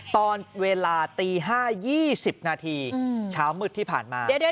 ตอนเวลาตี๕๒๐นาทีเช้ามืดที่ผ่านมา